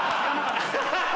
ハハハ！